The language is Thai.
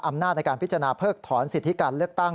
อำนาจในการพิจารณาเพิกถอนสิทธิการเลือกตั้ง